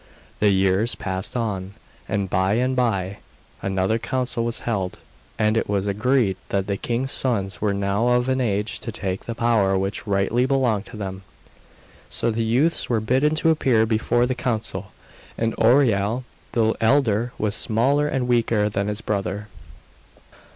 The years passed on, and by and by another council was held, and it was agreed that the king's sons were now of an age to take the power which rightly belonged to them. So the youths were bidden to appear before the council, and Oireal the elder was smaller and weaker than his brother.